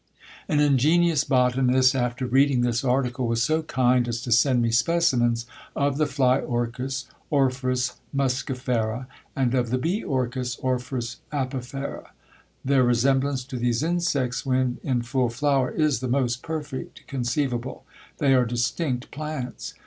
An ingenious botanist, after reading this article, was so kind as to send me specimens of the fly orchis, ophrys muscifera, and of the bee orchis, ophrys apifera. Their resemblance to these insects when in full flower is the most perfect conceivable: they are distinct plants.